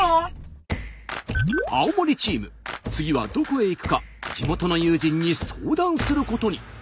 青森チーム次はどこへ行くか地元の友人に相談することに。